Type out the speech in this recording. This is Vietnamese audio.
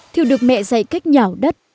thiều được mẹ dạy cách nhảo đất